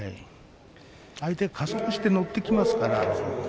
相手、加速して乗ってきますから。